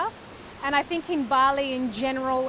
dan saya pikir di bali secara umum